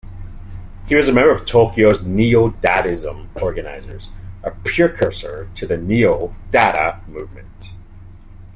He was a member of Tokyo's Neo-Dadaism Organizers, a precursor to The Neo-Dada movement.